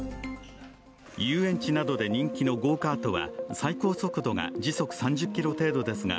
遊園地などで人気のゴーカートは最高速度が時速３０キロ程度ですが、